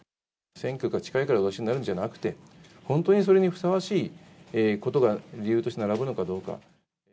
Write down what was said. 選挙が近いからお出しになるんじゃなくて、本当にそれにふさわしいことが理由として並ぶのかどうか。